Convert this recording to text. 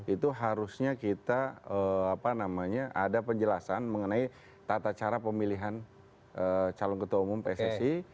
itu harusnya kita ada penjelasan mengenai tata cara pemilihan calon ketua umum pssi